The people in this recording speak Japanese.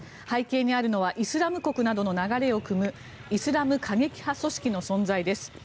背景にあるのはイスラム国などの流れをくむイスラム過激派組織の存在です。